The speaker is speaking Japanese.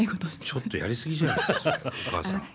ちょっとやり過ぎじゃないですかお母さん。